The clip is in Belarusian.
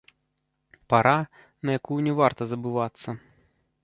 Пара, на якую не варта забывацца.